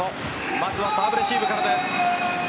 まずはサーブレシーブからです。